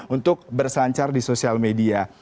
untuk berselancar di sosial media